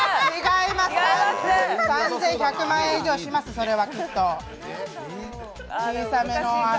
３１００万円以上します、それはきっと。